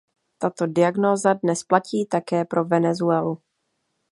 Tato diagnóza dnes platí také pro Venezuelu.